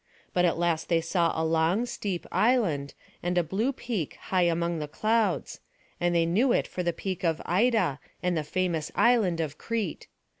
But at last they saw a long steep island, and a blue peak high among the clouds; and they knew it for the peak of Ida, and the famous land of Crete.